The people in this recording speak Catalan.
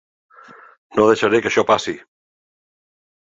No deixaré que això passi!